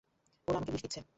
ওরা আমাকে বিষ দিচ্ছে।